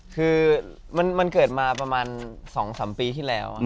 คือมันเกิดมาประมาณ๒๓ปีที่แล้ว